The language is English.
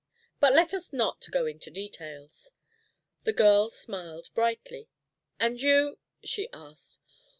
But let us not go into details." The girl smiled brightly. "And you " she asked.